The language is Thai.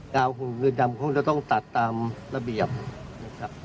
ยาวของเงินจำคงจะต้องตัดตามระเบียบนะครับ